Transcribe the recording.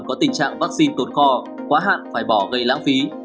có tình trạng vaccine tồn kho quá hạn phải bỏ gây lãng phí